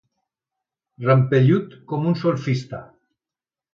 Rampellut com un solfista.